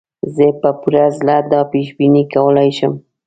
زه په پوره زړه دا پېش بیني کولای شم.